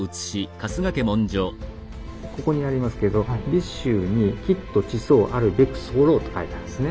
ここにありますけど「尾州にきっと馳走あるべく候」と書いてあるんですね。